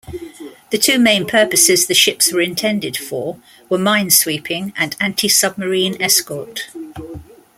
The two main purposes the ships were intended for were minesweeping and anti-submarine escort.